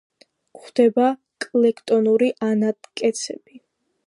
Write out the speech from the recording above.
გვხვდება კლექტონური ანატკეცები.